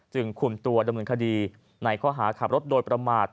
คุมตัวดำเนินคดีในข้อหาขับรถโดยประมาท